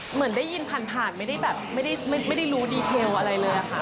เหมือนได้ยินผ่านไม่ได้แบบไม่ได้รู้ดีเทลอะไรเลยค่ะ